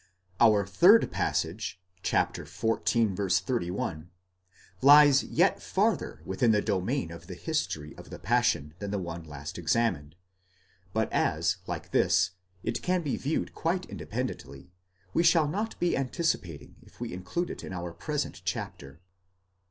Our third passage, xiv. 31, lies yet farther within the domain of the history of the Passion than the one last examined, but as, like this, it can be viewed quite independently, we shall not be anticipating if we include it in our present chapter.